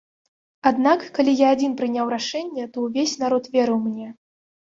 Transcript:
Аднак, калі я адзін прыняў рашэнне, то ўвесь народ верыў мне.